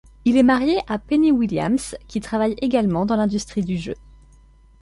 Il est marié à Penny Williams, qui travaille également dans l'industrie du jeu.